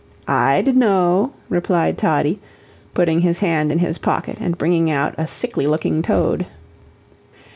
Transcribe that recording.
"I'D no," replied Toddie, putting his hand in his pocket and bringing out a sickly looking toad.